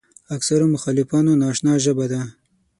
اکثرو مخالفانو ناآشنا ژبه ده.